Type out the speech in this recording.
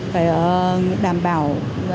phải đảm bảo